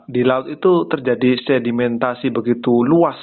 di laut itu terjadi sedimentasi begitu luas